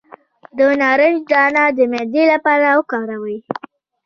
د نارنج دانه د معدې لپاره وکاروئ